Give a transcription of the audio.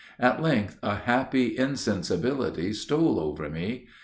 At length, a happy insensibility stole over me.